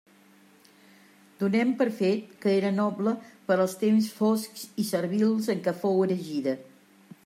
Donem per fet que era noble per als temps foscs i servils en què fou erigida.